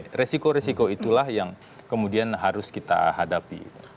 nah resiko resiko itulah yang kemudian harus kita hadapi